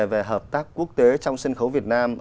về hợp tác quốc tế trong sân khấu việt nam